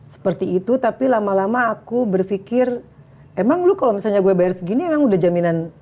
seperti itu tapi lama lama aku berpikir emang lu kalau misalnya gue bayar segini emang udah jaminan